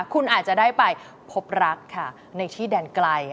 คุณอาจจะได้ไปพบรักค่ะในที่แดนไกล